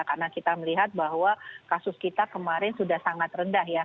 karena kita melihat bahwa kasus kita kemarin sudah sangat rendah ya